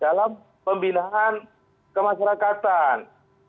dalam pembinaan kemasyarakatan